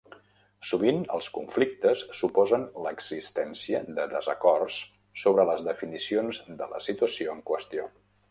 Sovint, els conflictes suposen l'existència de desacords sobre les definicions de la situació en qüestió.